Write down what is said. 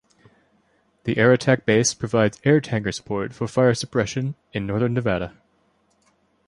The Air Attack Base provides air tanker support for fire suppression in northern Nevada.